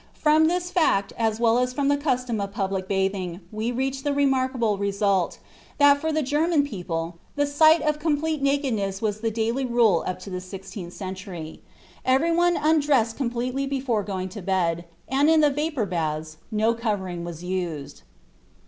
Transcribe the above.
From this fact, as well as from the custom of public bathing, we reach the remarkable result, that for the German people, the sight of complete nakedness was the daily rule up to the sixteenth century. Everyone undressed completely before going to bed, and, in the vapor baths, no covering was used.